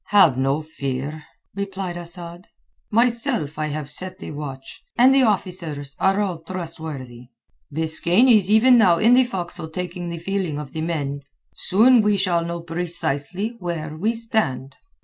"Have no fear," replied Asad. "Myself I have set the watch, and the officers are all trustworthy. Biskaine is even now in the forecastle taking the feeling of the men. Soon we shall know precisely where we stand."